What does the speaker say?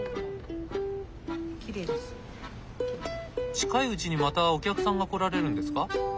近いうちにまたお客さんが来られるんですか？